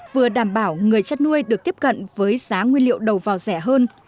vừa đảm bảo người chăn nuôi được tiếp cận với giá nguyên liệu đầu vào rẻ hơn